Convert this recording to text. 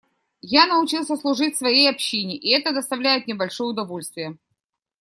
Я научился служить своей общине, и это доставляет мне большое удовольствие.